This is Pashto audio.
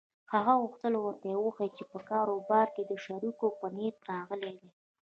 هغه غوښتل ورته وښيي چې په کاروبار کې د شريکېدو په نيت راغلی دی.